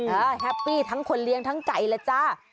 แฮปปี้ทั้งคนเลี้ยงทั้งไก่เลยจ้า